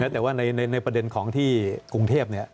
แต่ว่าในประเด็นของที่กรุงเทพ